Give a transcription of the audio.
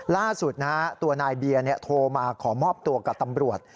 ล่าสุดตัวนายเบียร์โทรมาขอมอบตัวกับตำรวจ